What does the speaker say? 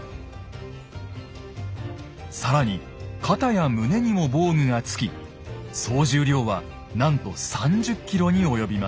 更に肩や胸にも防具がつき総重量はなんと３０ｋｇに及びます。